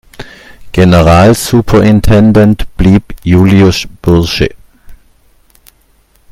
Generalsuperintendent blieb Juliusz Bursche.